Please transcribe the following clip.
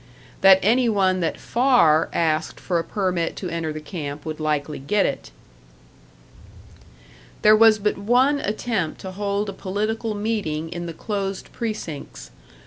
That any one that Farr asked for a permit to enter the camp would likely get it.... "There was but one attempt to hold a political meeting in the closed precincts.